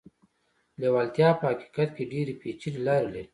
لېوالتیا په حقيقت کې ډېرې پېچلې لارې لري.